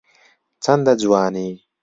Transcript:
چەندە جوانی